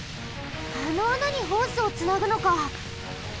あのあなにホースをつなぐのか！